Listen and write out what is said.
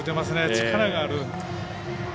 力がある。